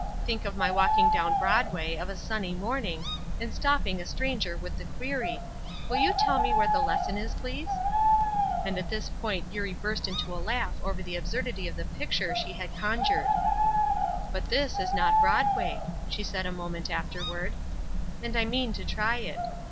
Think of my walking down Broadway of a sunny morning and stopping a stranger with the query, 'Will you tell me where the lesson is, please?'" And at this point Eurie burst into a laugh over the absurdity of the picture she had conjured. "But this is not Broadway," she said a moment afterward, "and I mean to try it.